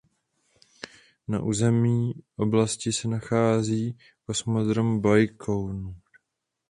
Na území oblasti se nachází Kosmodrom Bajkonur.